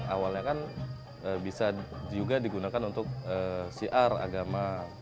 awalnya kan bisa juga digunakan untuk syiar agama